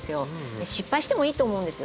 失敗してもいいと思うんです。